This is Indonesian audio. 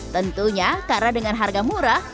tentunya karena dengan harga murah